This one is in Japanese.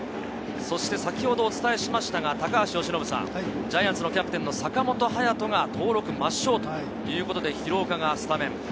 先ほどお伝えしましたが、高橋由伸さん、ジャイアンツのキャプテン・坂本勇人が登録抹消ということで、廣岡がスタメン。